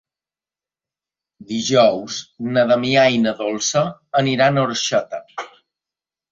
Dijous na Damià i na Dolça aniran a Orxeta.